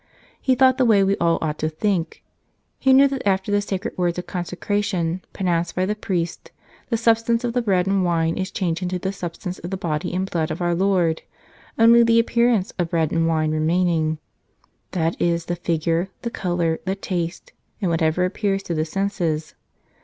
He thought the way we all ought to think. He knew that after the sacred words of consecration pronounced by the priest the substance of the bread and wine is changed into the substance of the Body and Blood of our Lord, only the appearance of bread and wine remaining, that is, the figure, the color, the taste, and whatever appears to the senses.